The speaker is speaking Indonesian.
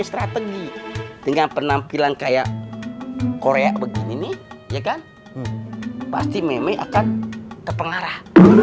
strategi dengan penampilan kayak korea begini ya kan pasti memang akan terpengaruh